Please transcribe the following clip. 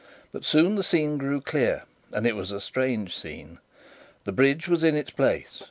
But soon the scene grew clear: and it was a strange scene. The bridge was in its place.